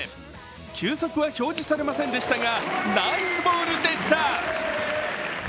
球速は表示されませんでしたが、ナイスボールでした。